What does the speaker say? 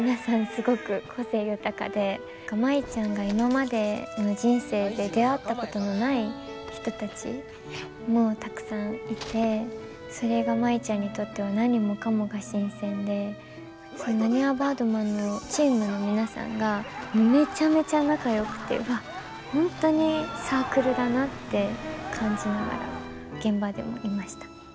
すごく個性豊かで舞ちゃんが今までの人生で出会ったことのない人たちもたくさんいてそれが舞ちゃんにとっては何もかもが新鮮でなにわバードマンのチームの皆さんがめちゃめちゃ仲良くて本当にサークルだなって感じながら現場でもいました。